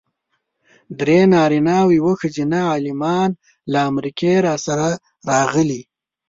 درې نارینه او یوه ښځینه عالمان له امریکې راسره راغلي.